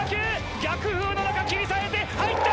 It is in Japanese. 逆風の中切り裂いて入った！